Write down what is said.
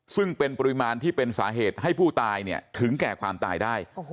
ซึ่งเป็นปริมาณที่เป็นสาเหตุให้ผู้ตายถึงแก่ความตายได้